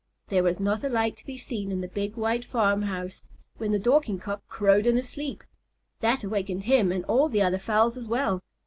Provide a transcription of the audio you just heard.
There was not a light to be seen in the big white farmhouse, when the Dorking Cock crowed in his sleep. That awakened him and all the other fowls as well.